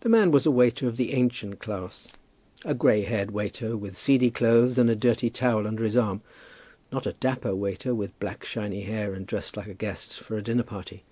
The man was a waiter of the ancient class, a gray haired waiter, with seedy clothes, and a dirty towel under his arm; not a dapper waiter, with black shiny hair, and dressed like a guest for a dinner party.